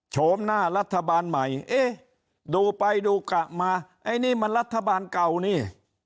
โฉมหน้ารัฐบาลใหม่เอ๊ะดูไปดูกะมาไอ้นี่มันรัฐบาลเก่านี่